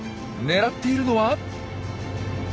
狙っているのは。